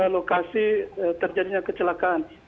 lokasi terjadinya kecelakaan